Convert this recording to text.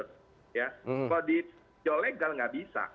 kalau di pinjol legal nggak bisa